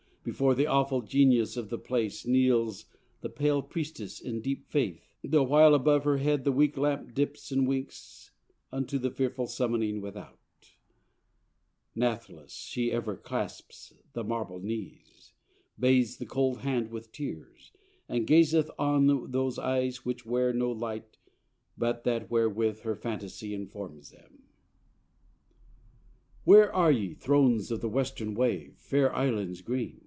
Before the awful Genius of the place Kneels the pale Priestess in deep faith, the while Above her head the weak lamp dips and winks Unto the fearful summoning without: Nathless she ever clasps the marble knees, Bathes the cold hand with tears, and gazeth on Those eyes which wear no light but that wherewith Her phantasy informs them. Where are ye Thrones of the Western wave, fair Islands green?